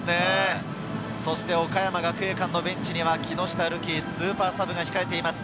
そして岡山学芸館のベンチには、木下瑠己、スーパーサブが控えています。